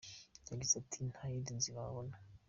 Yagize ati “Nta yindi nzira wabona.